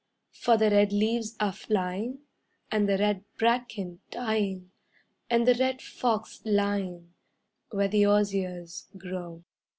For the red leaves are flying And the red bracken dying, And the red fox lying Where the oziers grow.